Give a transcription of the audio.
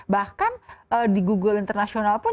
bahkan di google internasional pun